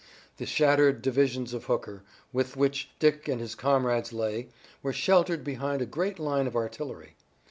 The shattered divisions of Hooker, with which Dick and his comrades lay, were sheltered behind a great line of artillery.